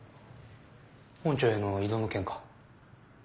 本庁への異動の件か？